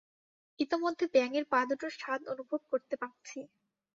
ইতমধ্যে ব্যাঙ এর পা দুটোর স্বাদ অনুভব করতে পারছি।